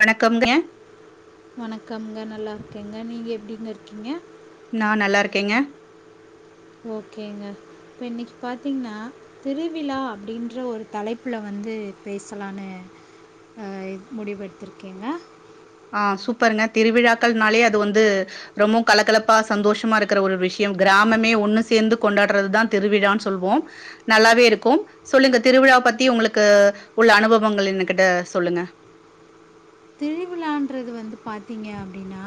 வணக்கம்ங்க கம்ங்க நல்லாருக்கேங்க நீங்க எப்டிங்க இருக்கீங்க நா நல்லா இருக்கேங்க ஓகேங்க இப்பன்னக்கி பாத்தீங்னா திருவிழா அப்டின்ற ஒரு தலைப்புல வந்து பேசலானு அ முடிவெடுத்துருக்கேங்க ஆ சூப்பருங்க திருவிழாக்கள்னாலே அது வந்து ரொம்மு கலக்கலப்பா சந்தோஷமா இருக்குற ஒரு விஷ்யம் கிராமமே ஒண்ணு சேந்து கொண்டாறதுதா திருவிழான் சொல்வோ நல்லாவே இருக்கு சொல்லுங்க திருவிழா பத்தி உங்களுக்கு உள்ள அனுபவங்கள் என்னு கிட்ட சொல்லுங்க திருவிழான்றது வந்து பாத்தீங்க அப்டினா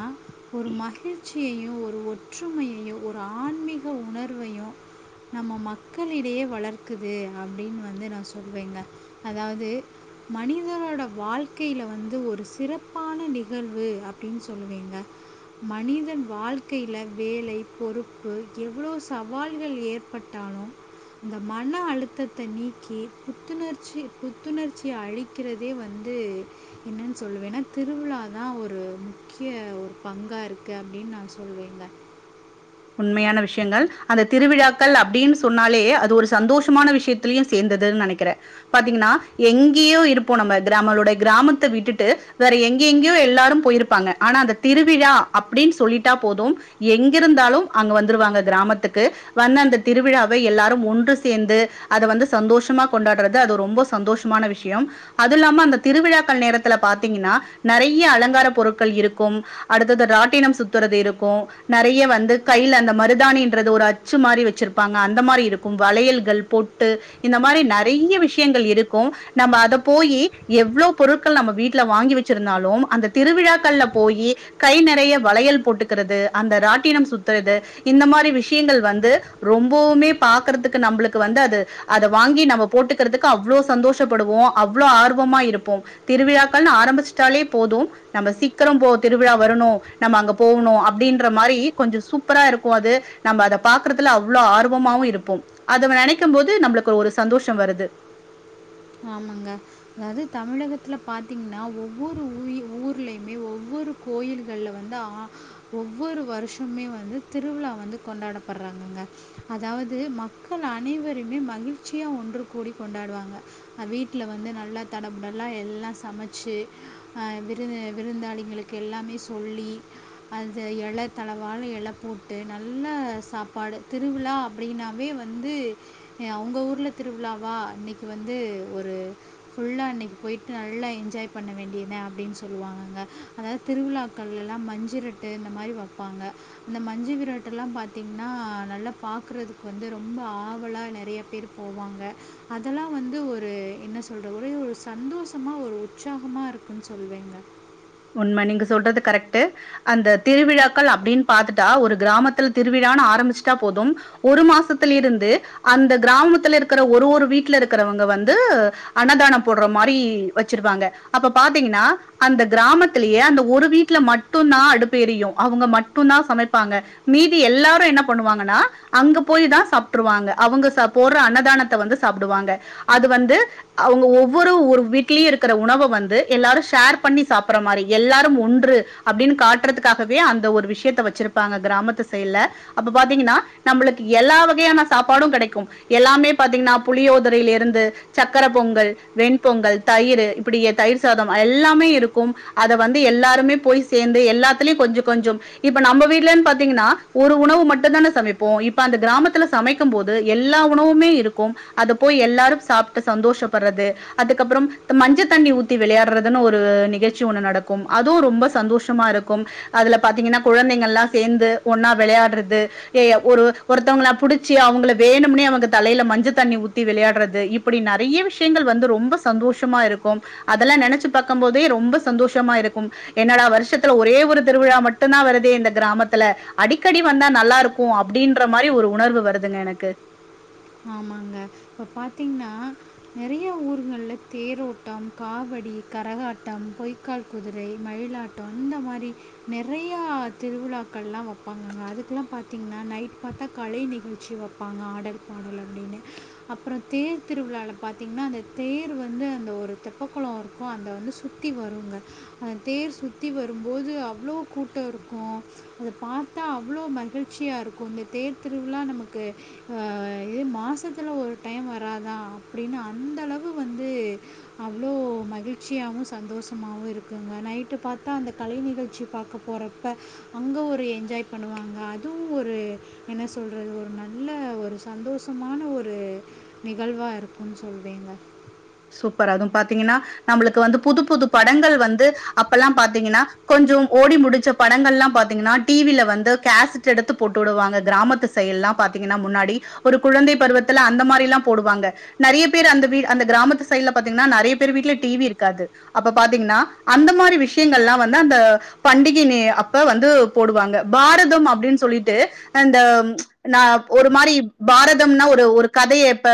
ஒரு மகிழ்ச் சியயு ஒரு ஒற்றுமையையு ஒரு ஆன்மீக உணர்வையு நம்ம மக்களிடையே வளர்க்குது அப்டின் வந்து நா சொல்வேங்க அதாது மனிதரோட வாழ்க்கைல வந்து ஒரு சிறப்பான நிகழ்வு அப்டின் சொல்லுவேங்க மனிதன் வாழ்கைல வேலை பொறுப்பு எவ்ளோ சவால்கள் ஏற்பட்டாலு இந்த மன அழுத்தத்த நீக்கி புத்துணர்ச்சி புத்துணர்ச்சி அழிக்கிறதே வந்து என்ன சொல்லுவேனா திருவிழாதா ஒரு முக்ய ஒரு பங்காருக்கு அப்டின் நா சொல்லுவேங்க உண்மையான விஷயங்கள் அந்த திருவிழாக்கள் அப்டின் சொன்னாலே அது ஒரு சந்தோஷமான விஷத்தில்யு சேந்தது நனக்கிற பாத்தீங்கனா எங்கியோ இருப்போ நம்ப கிராமளுடை கிராமத்த விட்டுட்டு வேற எங்கெங்யோ எல்லாரு போய்ருப்பாங்க ஆனாந்த திருவிழா அப்டின் சொல்லிட்டா போதும் எங்கிருந்தாலு அங்க வந்துருவாங்க கிராமத்துக்கு வந்தந்த திருவிழாவை எல்லாரு ஒன்று சேந்து அத வந்து சந்தோஷமா கொண்டாறது அது ரொம்ப சந்தோஷமான விஷ்யம் அதுல்லாம அந்த திருவிழாக்கள் நேரத்துல பாத்தீங்கனா நெறய அலங்கார பொருட்கள் இருக்கும் அடுத்தது ராட்டினம் சுத்தறது இருக்கு நறய வந்து கைல அந்த மருதானின்றது ஒரு அச்சு மாரி வச்சுருப்பாங்க அந்த மாரி இருக்கும் வளையல்கள் பொட்டு இந்த மாரி நறய விஷ்யங்கள் இருக்கு நம்ப அத போயி எவ்ளோ பொருட்கள் நம்ப வீட்ல வாங்கி வச்சிருந்தாலு அந்த திருவிழாக்கள்ல போயி கை நெறய வளையல் போட்டுக்குறது அந்த ராட்டினம் சு த்ரது இந்த மாரி விஷயங்கள் வந்து ரொம்பவ்மே பாக்கறதுக்கு நம்பளுக்கு வந்து அது அத வாங்கி நம்ப போட்டுக்குறதுக்கு அவ்ளோ சந்தோஷப்படுவோ அவ்ளோ ஆர்வமா இருப்போ திருவிழாக்கள் ஆரம்பிச்சிட்டாலே போது நம்ப சீக்கிர போ திருவிழா வரணு நம்ப அங்க போவுணு அப்டின்ற மாரி கொஞ்ச சூப் ப்பரா இருக்கு அது நம்ப அத பாக்கறத்துல அவ்ளோ ஆர்வமாவு இருப்பொம் அத நெனைக்கம்போது நம்புளுக்கு ஒரு சந்தோஷ வருது ஆமாங்க அதாது தமிழகத்ல பாத்தீங்கனா ஒவ்வொரு உய் ஊர்லயுமே ஒவ்வொரு கோயில்கள்ல வந்து ஆ ஒவ்வொரு வர்ஷமே வந்து திருவழா வந்து கொண்டாடப்பட்றாங்கங்க அதாவது மக்கள் அனைவருமே மகிழ்ச்சியா ஒன்று கூடி கொண்டாடுவாங்க வீட்ல வந்து நல்லா தடபுடலா எல்லா சமச்சு அ‌ விரு விருந்தாளிங்களுக்கு எல்லாமே சொல்லி அந்த எல தளவால எல போட்டு நல்லா சாப்பாடு திருவுழா அப்டினாவே வந்து அவுங்க ஊர்ல திருவுழாவா இன்னக்கி வந்து ஒரு ஃபுல்லா இன்னக் போய்டு நல்லா என்ஜாய் பண்ண வேண்டியத அப்டின் சொல்லுவாங்கங்க அதாது திருவிழாக்கள்லா மஞ்சுரட்டு இந்த மாரி வப்பாங்க அந்த மஞ்சு விரட்டலா பாத்தீங்கனா நல்லா பாக்கறதுக்கு வந்து ரொம்ப ஆவலா நெறய பேர் போவாங்க அதல்லா வந்து ஒரு ரு என்ன சொல்ர ஒரே ஒரு சந்தோஷமா ஒரு உற்சாகமா இருக்குன் சொல்வேங்க உண்ம நீங்க சொல்றது கரெக்ட்டு அந்த திருவிழாக்கள் அப்டின் பாத்துட்டா ஒரு கிராமத்துல் திருவிழான் ஆரம்பிச்டா போதும் ஒரு மாசத்திலிருந்து அந்த கிராமத்துல இருக்குற ஒரு ஒரு வீட்லருக்கறவங்க வந்து அன்னதான போடற மாரி வச்சிருவாங்க அப்ப பாத்தீங்கனா அந்த கிராமத்லயே அந்த ஒரு வீட்ல மட்டுந்தா அடுப்பு எரியு அவுங்க மட்டுதா சமைப்பாங்க மீதி எல்லாரு என்ன பண்ணுவாங்கனா அங்க போய்தா சாப்ட்ருவாங்க அவுங்க போட்ற அன்னதானத்த வந்து சாப்டுவாங்க அது வந்து அவுங்க ஒவ்வொரு ஒரு வீட்லயிருக்குற உணவ வந்து எல்லாரு ஷேர் பண்ணி சாப்ர மாரி எல்லாரு ஒன்று அப்டின் காட்றதக்காகவே அந்த ஒரு விஷ்யத்த வச்சுருப்பாங்க கிராமத்து சைல அப்ப பாத்திங்கனா நம்பளுக்கு எல்லா வகையான சாப்பாடு கெடக்கு எல்லாமே புளியோதரிய்லருந்து சக்கர பொங்கல் வெண்பொங்கல் தயிரு இப்படி தயிர் சாதம் எல்லாமே இருக் கும் அத வந்து எல்லாருமே போய் சேந்து எல்லாத்துலயு கொஞ்ச கொஞ்சம் இப்ப நம்ப வீட்லன் பாத்தீங்கன்னா ஒரு உணவு மட்டு தானே சமைப்போ இப்ப அந்த கிராமத்துல சமைக்கும் போது எல்லா உணவுமே இருக்கும் அத போய் எல்லாரும் சாப்டு சந்தோஷப்பறது அதுக்கப்புறம் மஞ்ச தண்ணி ஊத்தி விளையாடுறதுன்னு ஒரு நிகழ்ச் சி ஒன்னு நடக்கும் அதுவு ரொம்ப சந்தோஷமா இருக்கும் அதுல பாத்தீங்கன்னா குழந்தைங்கல்லா சேந்து ஒன்னா வெளையாடுறது ஒரு ஒருத்தவங்கள புடிச்சு அவுங்கள வேணும்னே அவுங்க தலைல மஞ்ச தண்ணி ஊத்தி விளையாடுறது இப்பிடி நறைய விஷ்யங்கள் வந்து ரொம்ப சந்தோஷமா இருக்கும் அதெல்லா நெனச்சு பாக்கும் போதே ரொம்ப சந்தோஷமா இருக்கும் என்னடா வருஷத்துல ஒரே ஒரு திருவிழா மட்டுந்தா வருதே இந்த கிராமத்துல அடிக்கடி வந்தா நல்லா இருக்கு அப்டின்ற மாரி ஒரு உணர்வு வருதுங்க எனக்கு ஆமாங்க இப்ப பாத்தீங்னா நெறைய ஊர்கள்ல தேரோட்டம் காவடி கரகாட்டம் பொய்க்கால் குதிரை மயிலாட்டம் இந்த மாரி நெறையா திருவிழாக்கள்லா வப்பாங்கங்க அதுக்குல்லா பாத்தீங்னா நைட் பாத்தா கலை நிகழ்ச்சி வப்பாங்க ஆடல் அப்ரோ தேர் திருவிழாவால பார்த்தீங்ன்னா அந்த தேர் வந்து அந்த ஒரு தெப்பகுள இருக்கோ அதவந்த சுத்தி வருங்க அந்த தேர் சுத்தி வரும்போது அவ்ளோ கூட்ட இருக்கோ அத பாத்தா அவ்ளோ மகிழ்ச்சியா இருக்கோ இந்த தேர் திருவிழா நமக்கு ஆஹ் மாசத்துல ஒரு டைம் வராதா அப்டின்னு அந்தளவு வந்து அவ்ளோ மகிழ்ச்சியாவோ சந்தோஷமாவோ இருக்குங்க நைட்டு பாத்தா அந்த கலை நிகழ்ச்சி பாக்க போறப்ப அங்கே ஒரு என்ஜாய் பண்ணுவாங்க அதுவும் ஒரு என்ன சொலறது ஒரு நல்ல ஒரு சந்தோஷமான ஒரு நிகழ்வா இருக்குன் சொல்விங்க சூப்பர் அதுவும் பாத்தீங்கன்னா நம்மளுக்கு வந்து புது புது படங்கள் வந்து அப்பல்லா பாத்தீங்கன்னா கொஞ்சம் ஓடி முடிச்ச படங்கள்ல்லா பாத்தீங்கன்னா டிவிலவந்து கேசட் எடுத்து போட்டுவிடுவாங்க கிராமத்துசைல்லா பாத்தீங்கன்னா முன்னாடி ஒரு குழந்தை பருவத்துல அந்த மாரில்லா போடுவாங்க நறைய பேர் அந்த வீஅந்த கிராமத் சயில்ல பாத்திங்னா நறைய பேர் வீட்டுல டிவி இருக்காது அப்ப பாத்தீங்கன்னா அந்த மாரி விஷயங்கள்லா வந்து அந்த பண்டிகைனி அப்ப வந்து போடுவாங்க பாரதம் அப்டின் சொல்லிட்டு அந்த நா ஒரு மாரி பாரதம்னா ஒரு கதையப்ப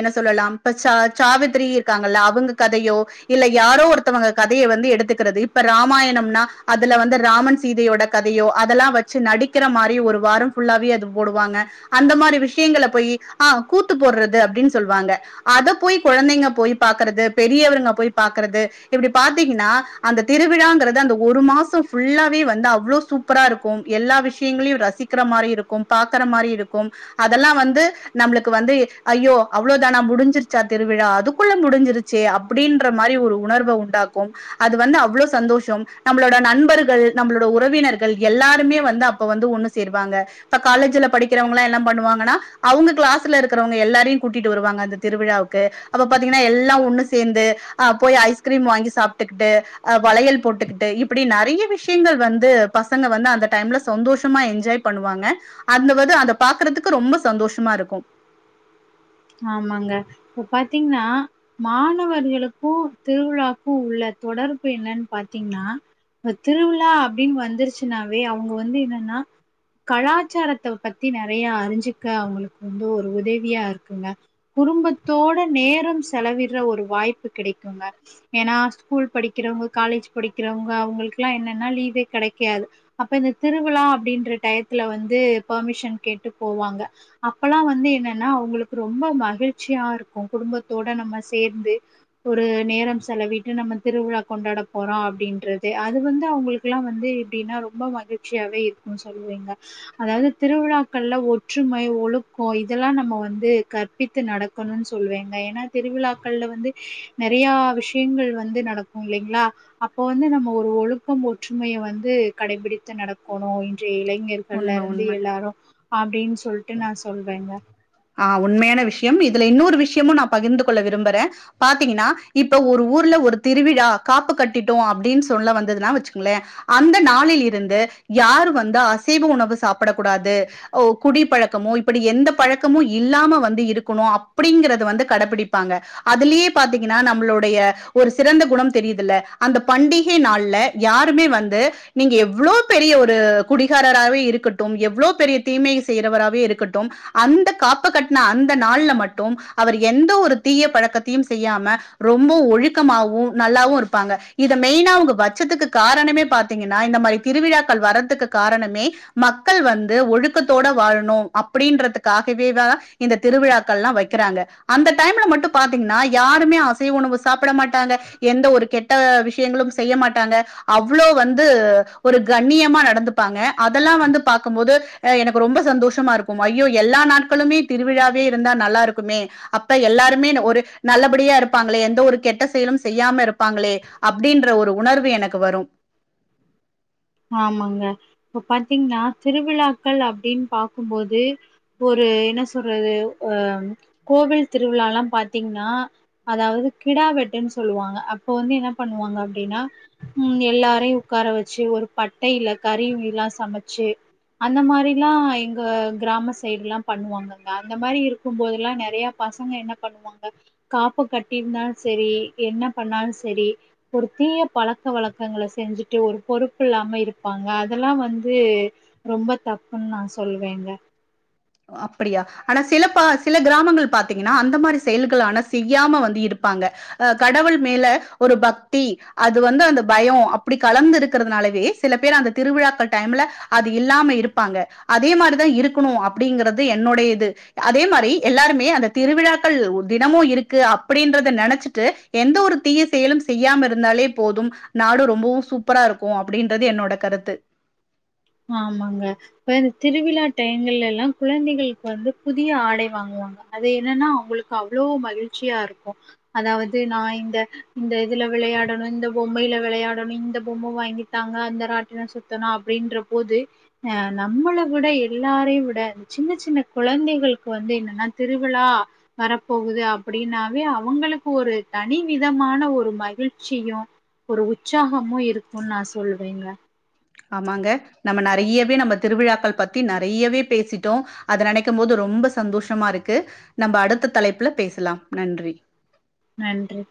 என்ன சொல்லலா பிரசார் சாவித்திரி இருக்காங்கல்ல அவங்க கதையோ இல்ல யாரோ ஒருத்தவங்க கதைய வந்து எடுத்துக்கிறது இப்ப ராமாயணம்னா அதுல வந்து ராமன் சீதையோட கதையோ அதெல்லா வச்சு நடிக்கிற மாரி ஒரு வாரம் ஃபுல்லாவே அது போடுவாங்க அந்த மாரி விஷயங்கள போய் ஆஹ் கூத்து போடுறது அப்டின் சொல்லுவாங்க அத போய் குழந்தைங்க போய் பாக்ரது பெரியவர்ங்க போய் பாக்குறது இப்டி பாத்தீங்கன்னா அந்த திருவிழாங்கறது அந்த ஒரு மாசம் ஃபுல்லாவே வந்து அவ்ளோ சூப்பரா இருக்கோ எல்லா விஷயங்களையோ ரசிக்கிற மாரி இருக்கும் பாக்குற மாரி இருக்கும் அதெல்லா வந்து நம்மளுக்கு வந்து ஐயோ அவ்ளோ தானா முடிஞ்சிருச்சா திருவிழா அதுக்குள்ள முடிஞ்சிருச்சே அப்டின்ற மாரி ஒரு உணர்வ உண்டாக்கும் அது வந்து அவ்ளோ சந்தோஷம் நம்மளோட நண்பர்கள் நம்மளோட உறவினர்கள் எல்லாருமே வந்து அப்ப வந்து ஒண்ணு சேருவாங்க இப்ப காலேஜ்ல படிக்கிறவங்லா என்ன பண்ணுவாங்கனா அவங்க கிளாஸ்ல இருக்கிறவங்க எல்லாரையு கூட்டிட்டு வருவாங்க இந்த திருவிழாவுக்கு அப்ப பாத்தீங்கன்னா எல்லாம் ஒண்ணு சேர்ந்து அஹ் போய் ஐஸ்கிரீம் வாங்கி சாப்ட்டுக்கிட்டு வளையல் போட்டுக்கிட்டு இப்டி நறைய விஷயம் முக்கியங்கள் வந்து பசங்க வந்து அந்த டைம்ல சந்தோஷமா என்ஜாய் பண்ணுவாங்க அந்த வந்து அத பாக்குறதுக்கு ரொம்ப சந்தோஷமா இருக்கும் ஆமாங்க இப்ப பாத்தீங்னா மாணவர்களுக்கு திருவிழாக்கு உள்ள தொடர்பு என்னன்னு பாத்தீங்கன்னா திருவிழா அப்டின்னு வந்துருச்சின்னாவே அவங்க வந்து என்னனா கலாச்சாரத்த பத்தி நறைய அறிஞ்சுக்க அவங்களுக்கு வந்து ஒரு உதவியா இருக் குடும்பத்தோட நேரம் செலவிட்ற ஒரு வாய்ப்பு கிடைக்குங்க ஏன்னா ஸ்கூல் படிக்கிறவங்க காலேஜ் படிக்கிறவங்க அவங்களுக்கெல்லா என்னனா லீவே கெடைக்காது அப்ப இந்த திருவிழா அப்டின்ற டயத்துல வந்து பர்மிஷன் கேட்டு போவாங்க அப்பலா வந்து என்னனா அவங்களுக்கு ரொம்ப மகிழ்ச்சியா இருக்கும் குடும்பத்தோட நம்ம சேர்ந்து ஒரு நேரம் செலவிட்டு நம்ம திருவிழா கொண்டாட போறோ அப்படின்றது அது வந்து அவங்களுக்குல்லா வந்து எப்படின்னா ரொம்ப மகிழ்ச்சியாவே இருக்கும்னு சொல்லுவீங்க அதாவது திருவிழாக்கள்ல ஒற்றுமை ஒழுக்கம் இதெல்லாம் நம்ம வந்து கற்பித்து நடக்கணும்னு சொல்லுவிங்க ஏன்னா திருவிழாக்கள்ல வந்து நெறைய விஷயங்கள் வந்து நடக்கும் இல்லைங்களா அப்போ வந்து நம்ம ஒரு ஒழுக்கம் ஒற்றுமைய வந்து கடைபிடித்து நடக்கணும் இளைஞர்கள்ல உண்ம இருந்து உண்ம எல்லாரும் அப்டிஞ்சிப்பா சொல்ட்டு நான் சொல்றேங்க ஆ உண்மையான விஷயம் இதுல இன்னொரு விஷயமும் நா பகிர்ந்து கொள்ள விரும்புறே பாத்தீங்கன்னா இப்ப ஒரு ஊர்ல ஒரு திருவிழா காப்பு கட்டிட்டோ அப்டின்னு சொல்ல வந்தது நா வச்சுக்குங்லே அந்த நாளில் இருந்து யாரு வந்து அசைவ உணவு சாப்டக்கூடாது ஆஹ் குடி பழக்கமொ இப்படி எந்த பழக்கமொ இல்லாம வந்து இருக்கணும் அப்படிங்கறது வந்து கடைபிடிப்பாங்க அதுலயே பாத்தீங்கன்னா நம்மளுடைய ஒரு சிறந்த குணம் தெரியுதல அந்த பண்டிகை நாள்ல யாருமே வந்து நீங்க எவ்வளோ பெரிய ஒரு குடிகாரராவே இருக்கட்டும் எவ்ளோ பெரிய தீமை செய்றவராவே இருக்கட்டும் அந்த காப்பு கட்ன அந்த நாள்ல மட்டும் அவர் எந்த ஒரு தீய பழக்கத்தையும் செய்யாம ரொம்ப ஒழுக்கமாவும் நல்லாவும் இருப்பாங்க இத மெயினா அவங்க வச்சதுக்கு காரணமே பாத்தீங்கன்னா இந்த மாரி திருவிழாக்கள் வரதுக்கு காரணமே மக்கள் வந்து ஒழுக்கத் தான் இந்த திருவிழாக்கள்லாம் வைக்கிறாங்க அந்த டைம்ல மட்டும் பாத்தீங்கன்னா யாருமே அசைவ உணவு சாப்பிட மாட்டாங்க எந்த ஒரு கெட்ட கெட்ட விஷயங்களும் செய்ய மாட்டாங்க அவ்ளோ வந்து ஒரு கண்ணியமா நடந்துப்பாங்க அதெல்லா வந்து பாக்கும்போது எனக் ரொம்ப சந்தோஷமா இருக்கும் ஐயோ எல்லா நாட்களுமே திருவிழாவே இருந்தா நல்லா இருக்குமே அப்ப எல்லாருமே ஒரு நல்லபடியா இருப்பாங்களே எந்த ஒரு கெட்ட செயலும் செய்யாம இருப்பாங்களே அப்படின்ற ஒரு உணர்வு எனக்கு வரும் ஆமாங்க இப்ப பாத்தீங்கன்னா திருவிழாக்கள் அப்படின் பாக்கும்போது ஒரு என்ன சொல்றது அஹ் கோவில் திருவிலாலாம் பாத்தீங்னா அதாவது கிடா வெட்டுன் சொல்லுவாங்க அப்ப வந்து என்ன பண்ணுவாங்க அப்டின்னா உஹம் எல்லாரையு உட்கார வச்சு ஒரு வட்டையில கறி மீனுல சமச்சு அந்த மாரிலாம் எங்க கிராம சைடுலாம் பண்ணுவாங்கங்க அந்த மாரி இருக்கும் போதல்லாம் நெறைய பசங்க என்ன பண்ணுவாங்க காப்பு கட்டிருந்தா சரி என்ன பண்ணாலும் சரி ஒரு தீய பழக்க வழக்கங்கள செஞ்சுட்டு ஒரு பொறுப்பு ப்பு இல்லாம இருப்பாங்க அதெல்லாம் வந்து ரொம்ப தப்புன்னு நான் சொல்வேங்க அப்படியா ஆனா சில பல சில கிராமங்கள் பாத்தீங்கன்னா அந்த மாரி செயல்கள ஆனா செய்யாம வந்து இருப்பாங்க அஹ் கடவுள் மேல ஒரு பக்தி அது வந்து அந்த பயம் அப்டி கலந்து இருக்கிறதுனாலவே சில பேர் அந்த திருவிழாக்கள் டைம்ல அது இல்லாம இருப்பாங்க அதே மாரிதா இருக்கனும் அப்டிங்றது என்னுடைய இது அதே மாரி எல்லாருமே அந்த திருவிழாக்கள் தினமும் இருக்கு அப்டின்றத நெனச்சிட்டு எந்த ஒரு தீய செயலும் செய்யாம இருந்தாலே போதும் நாடு ரொம்பவும் சூப்பரா இருக்கும் அப்படின்றது என்னோட கருத்து ஆமாங்க இந்த திருவிழா டயங்கள்லலா குழந்தைகளுக்கு வந்து புதிய ஆடை வாங்குவாங்க அது என்னன்னா அவங்களுக்கு அவ்ளோ மகிழ்ச்சியா இருக்கோ அதாவது நா இந்த இந்த இதுல விளையாடணும் இந்த பொம்மையில விளையாடணும் இந்த பொம்ம வாங்கித்தாங்க அந்த ராட்டின சுத்தணும் அப்டின்ற போது அஹ் நம்மள விட எல்லாரையு விட அ சின்ன சின்ன குழந்தைகளுக்கு வந்து என்னன்னா திருவிழா வரப்போகுது அப்படின்னாவே அவங்களுக்கு ஒரு தனி விதமான ஒரு மகிழ்ச்சியும் ஒரு உற்சாகமும் இருக்கும்ன்னு நான் சொல்வேங்க ஆமாங்க நம்ம நறையவே நம்ம திருவிழாக்கள் பத்தி நறையவே பேசிட்டோ அத நெனைக்கும் போது ரொம்ப சந்தோஷமா இருக்கு நம்ம அடுத்த தலைப்புல பேசலாம் நன்றி நன்றி